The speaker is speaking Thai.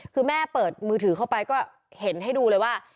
คือแม่เปิดมือถือเข้าไปก็เห็นให้ดูเลยว่า